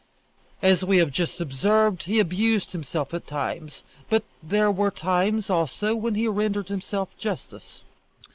As we have just observed, he abused himself at times; but there were times also when he rendered himself justice.